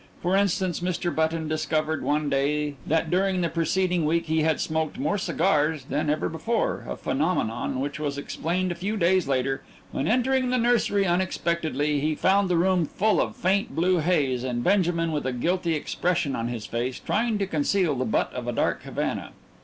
For instance, Mr. Button discovered one day that during the preceding week he had smoked more cigars than ever before a phenomenon, which was explained a few days later when, entering the nursery unexpectedly, he found the room full of faint blue haze and Benjamin, with a guilty expression on his face, trying to conceal the butt of a dark Havana.